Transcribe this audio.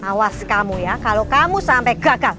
awas kamu ya kalau kamu sampai gagal